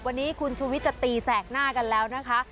วันนี้คุณชูวิทย์จะตีแสกหน้ากันแล้วนะคะ